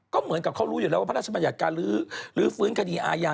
ก็เหมือนกับเขารู้อยู่แล้วว่าพระราชบัญญัติการลื้อฟื้นคดีอาญา